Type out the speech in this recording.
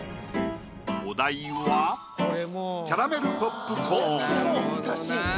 お題はキャラメルポップコーン。